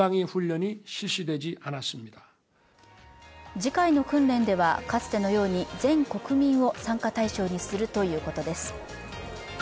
次回の訓練では、かつてのように全国民を参加対象にするということです。